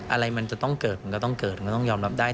อะไรมันจะต้องเกิดมันก็ต้องเกิดมันก็ต้องยอมรับได้